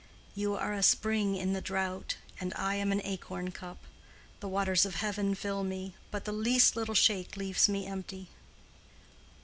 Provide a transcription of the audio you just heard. You are a spring in the drought, and I am an acorn cup; the waters of heaven fill me, but the least little shake leaves me empty."